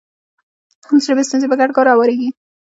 د ژبې ستونزې په ګډ کار هواریږي.